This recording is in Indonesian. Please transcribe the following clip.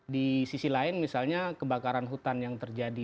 di sisi lain misalnya kebakaran hutan yang terjadi